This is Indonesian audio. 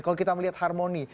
kalau kita melihat harmoni